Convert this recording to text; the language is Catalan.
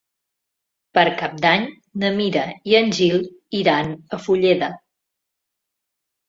Per Cap d'Any na Mira i en Gil iran a Fulleda.